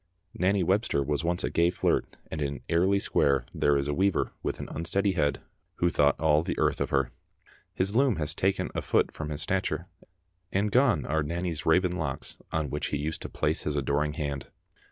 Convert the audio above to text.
Nanny Webster was once a gay flirt, and in Airlie Square there is a weaver with an unsteady head who thought all the earth of her. His loom has taken a foot from his stature, and gone are Nanny's raven locks on which he used to place his adoring hand.